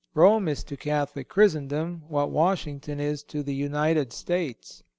Rome is to Catholic Christendom what Washington is to the United States.